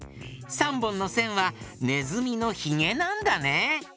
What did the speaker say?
３ぼんのせんはねずみのひげなんだね。